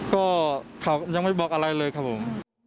ก็เขายังไม่บอกอะไรเลยครับผม